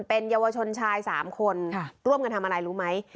เป็นเยาวชนชาย๓คนร่วมกันทำอะไรรู้ไหม